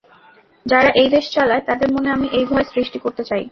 যারা এই দেশ চালায় তাদের মনে আমি এই ভয় সৃষ্টি করতে চাই।